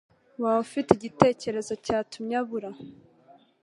Waba ufite igitekerezo cyatumye abura?